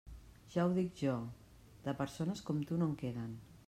Ja ho dic jo; de persones com tu, no en queden.